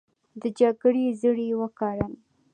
د جګړې زړي یې وکرل